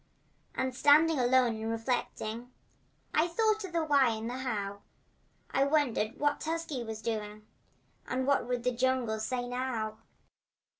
And standing alone and reflecting I thought of the why and the how, And I wondered what Tusky was doing And what would the jungle say, now.